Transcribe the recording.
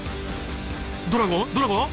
ドラゴンドラゴン？